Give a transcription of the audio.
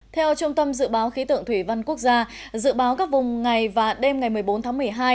theo trung tâm dự báo khí tượng thủy văn quốc gia dự báo các vùng ngày và đêm ngày một mươi bốn tháng một mươi hai